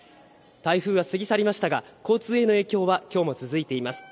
台風は過ぎ去りましたが、交通への影響はきょうも続いています。